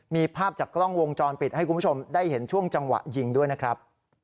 มีภาพจากกล้องวงจรปิดให้คุณผู้ชมได้เห็นช่วงจังหวะยิงด้วยนะครับ